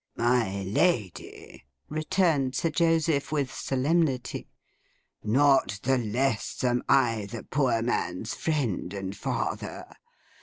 'My lady,' returned Sir Joseph, with solemnity, 'not the less am I the Poor Man's Friend and Father.